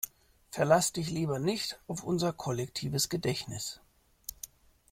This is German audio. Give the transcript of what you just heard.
Verlass dich lieber nicht auf unser kollektives Gedächtnis!